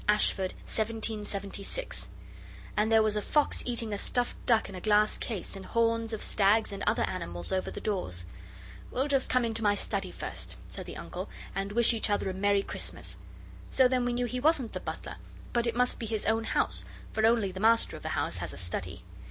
Ashford. 1776'; and there was a fox eating a stuffed duck in a glass case, and horns of stags and other animals over the doors. 'We'll just come into my study first,' said the Uncle, 'and wish each other a Merry Christmas.' So then we knew he wasn't the butler, but it must be his own house, for only the master of the house has a study.